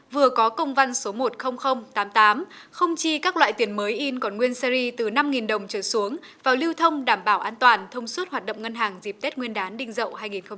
vừa có công văn số một mươi nghìn tám mươi tám không chi các loại tiền mới in còn nguyên series từ năm đồng trở xuống vào lưu thông đảm bảo an toàn thông suốt hoạt động ngân hàng dịp tết nguyên đán đình dậu hai nghìn hai mươi bốn